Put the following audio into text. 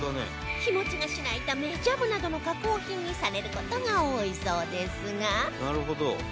日持ちがしないためジャムなどの加工品にされる事が多いそうですが